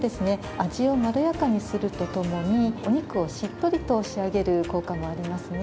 味をまろやかにするとともにお肉をしっとりと仕上げる効果もありますね。